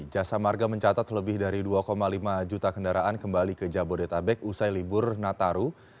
jasa marga mencatat lebih dari dua lima juta kendaraan kembali ke jabodetabek usai libur nataru